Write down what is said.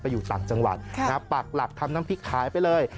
ไปอยู่ต่างจังหวัดนะฮะปากหลับทำทั้งพริกคล้ายไปเลย